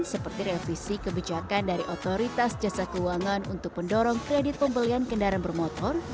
seperti revisi kebijakan dari otoritas jasa keuangan untuk mendorong kredit pembelian kendaraan bermotor